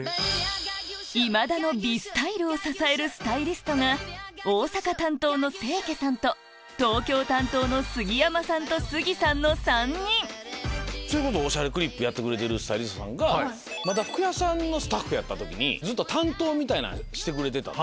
今田の美スタイルを支えるスタイリストが大阪担当の清家さんと東京担当の杉山さんとＳＵＧＩさんの３人『おしゃれクリップ』やってるスタイリストさんが服屋さんのスタッフやった時にずっと担当してくれてた。